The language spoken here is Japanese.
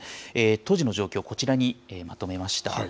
当時の状況、こちらにまとめました。